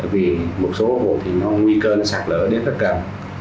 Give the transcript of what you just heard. vì một số hộ thì nó nguy cơ nó sạt lở đến rất gần